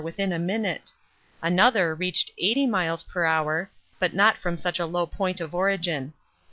within a minute; another reached 80 m.p.h., but not from such a low point of origin.